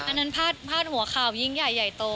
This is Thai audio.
อันนั้นพาดหัวข่าวยิ่งใหญ่ใหญ่โต